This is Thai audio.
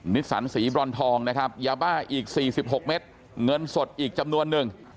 นิสสันสีบรอนทองนะครับยาบ้าอีก๔๖เมตรเงินสดอีกจำนวนนึง